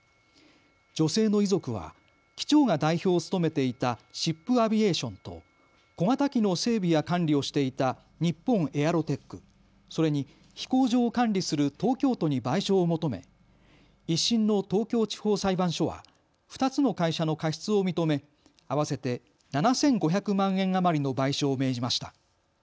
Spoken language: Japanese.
女性の遺族は機長が代表を務めていたシップ・アビエーションと小型機の整備や管理をしていた日本エアロテック、それに飛行場を管理する東京都に賠償を求め１審の東京地方裁判所は２つの会社の過失を認め合わせて７５００万円余りの賠償を命じました。